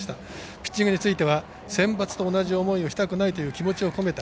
ピッチングについてはセンバツと同じ思いをしたくないという思いを込めた。